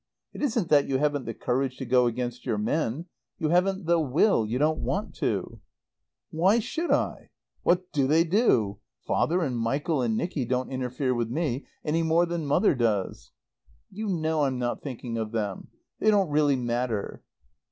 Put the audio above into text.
It isn't that you haven't the courage to go against your men. You haven't the will. You don't want to." "Why should I? What do they do? Father and Michael and Nicky don't interfere with me any more than Mother does." "You know I'm not thinking of them. They don't really matter."